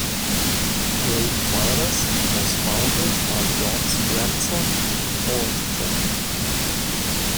Craig Wireless was founded by John's grandson, Boyd Craig.